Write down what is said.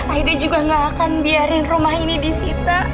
aida juga nggak akan biarin rumah ini disita